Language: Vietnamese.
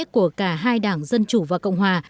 của cả hai đảng dân chủ và cộng hòa